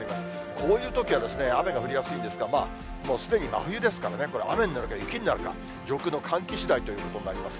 こういうときは雨が降りやすいんですが、すでに真冬ですからね、これは雨になるか雪になるか、上空の寒気しだいということになります。